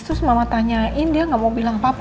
terus mama tanyain dia gak mau bilang apa apa